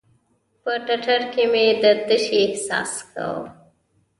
په ټټر کښې مې د تشې احساس کاوه.